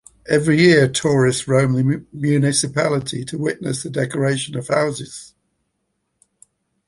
Every year, tourists roam the municipality to witness the decoration of houses.